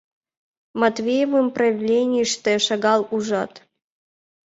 Матвеевым правленийыште шагал ужат.